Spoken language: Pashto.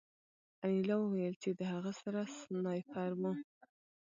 انیلا وویل چې د هغه سره سنایپر و